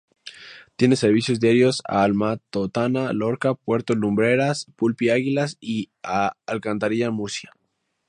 Tiene servicios diarios a Alhama-Totana-Lorca-Puerto Lumbreras-Pulpí-Águilas y a Alcantarilla-Murcia.